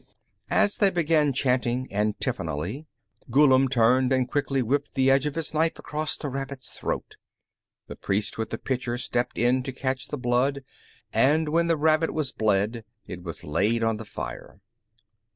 As they began chanting antiphonally, Ghullam turned and quickly whipped the edge of his knife across the rabbit's throat. The priest with the pitcher stepped in to catch the blood, and when the rabbit was bled, it was laid on the fire.